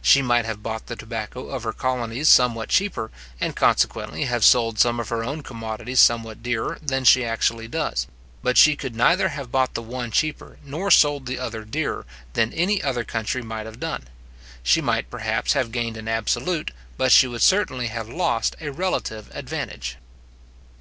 She might have bought the tobacco of her colonies somewhat cheaper, and consequently have sold some of her own commodities somewhat dearer, than she actually does; but she could neither have bought the one cheaper, nor sold the other dearer, than any other country might have done. She might, perhaps, have gained an absolute, but she would certainly have lost a relative advantage.